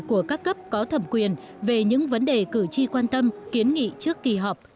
của các cấp có thẩm quyền về những vấn đề cử tri quan tâm kiến nghị trước kỳ họp